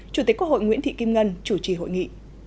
chủ tịch quốc hội nguyễn thị kim ngân chủ trì hội nghị